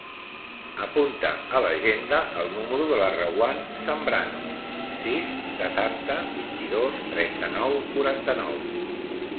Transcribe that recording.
Apunta a l'agenda el número de la Rawan Zambrano: sis, setanta, vint-i-dos, trenta-nou, quaranta-nou.